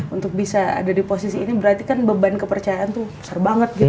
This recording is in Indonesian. untuk bisa ada di posisi ini berarti kan beban kepercayaan tuh besar banget gitu